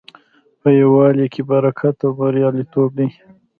په یووالي کې برکت او بریالیتوب دی.